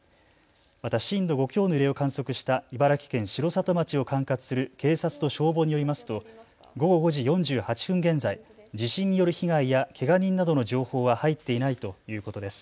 また震度５強の揺れを観測した茨城県城里町を管轄する警察と消防によりますと午後５時４８分現在、地震による被害やけが人などの情報は入っていないということです。